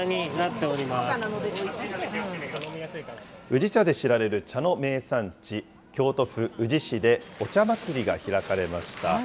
宇治茶で知られる茶の名産地、京都府宇治市でお茶まつりが開かれました。